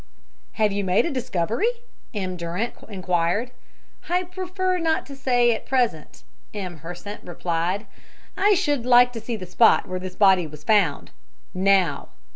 "Have you made a discovery?" M. Durant enquired. "I prefer not to say at present," M. Hersant replied. "I should like to see the spot where this body was found now."